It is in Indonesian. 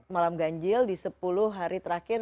malam ganjil di sepuluh hari terakhir